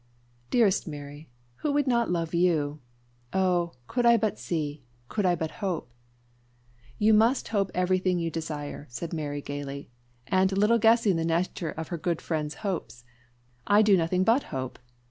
"Dearest Mary, who would not love you? Oh! could I but see could I but hope " "You must hope everything you desire," said Mary gaily, and little guessing the nature of her good friend's hopes; "I do nothing but hope."